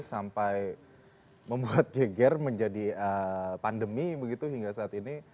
sampai membuat geger menjadi pandemi begitu hingga saat ini